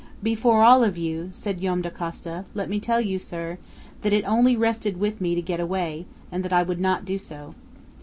"Before all of you," said Joam Dacosta, "let me tell you, sir, that it only rested with me to get away, and that I would not do so."